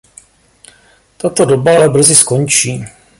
Tato doba ale brzy skončí.